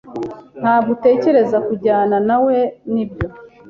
Ntabwo utekereza kujyana nawe, nibyo?